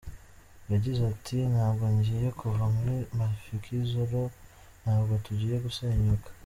Yagize ati “Ntabwo ngiye kuva muri Mafikizolo, ntabwo tugiye gusenyuka.